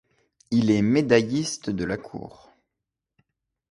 Il est médailliste de la cour.